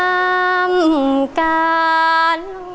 น้ำกาลงสาย